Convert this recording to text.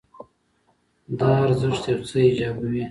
دا ارزښت یو څه ایجابوي.